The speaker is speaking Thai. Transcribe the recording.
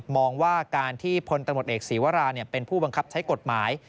มองว่าการที่พลตำรวจเอกศีวราเป็นผู้บังคับใช้กฎหมาย